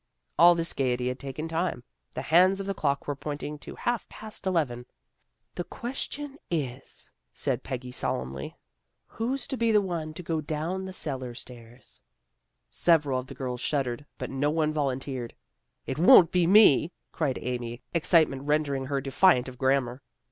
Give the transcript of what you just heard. All this gaiety had taken time. The hands of the clock were pointing to half past eleven. " The question is," said Peggy solemnly, 80 THE GIRLS OF FRIENDLY TERRACE " who's to be the one to go down the cellar stairs." Several of the girls shuddered, but no one volunteered. " It won't be me," cried Amy, excitement rendering her defiant of grammar.